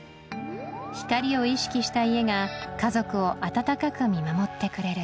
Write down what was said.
光を意識した家が家族を温かく見守ってくれる